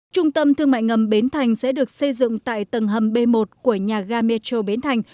trung tâm thương mại ngầm bến thành sẽ được xây dựng tại tầng hầm b một của nhà ga metro bến thành